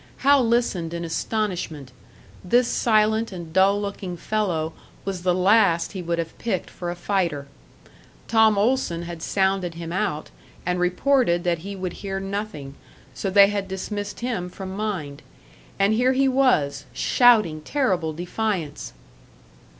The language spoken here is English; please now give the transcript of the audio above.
Hal listened in astonishment; this silent and dull looking fellow was the last he would have picked for a fighter. Tom Olson had sounded him out, and reported that he would hear nothing, so they had dismissed him from mind. And here he was, shouting terrible defiance!